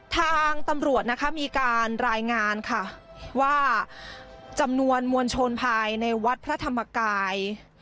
ทางตำรวจนะคะมีการรายงานค่ะว่าจำนวนมวลชนภายในวัดพระธรรมกาย